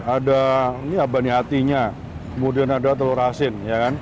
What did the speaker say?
ini apa nih atinya kemudian ada telur asin